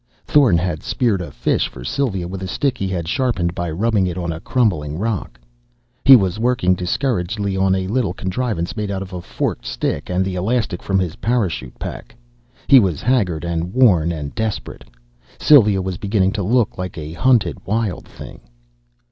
Thorn had speared a fish for Sylva with a stick he had sharpened by rubbing it on a crumbling rock. He was working discouragedly on a little contrivance made out of a forked stick and the elastic from his parachute pack. He was haggard and worn and desperate. Sylva was beginning to look like a hunted wild thing.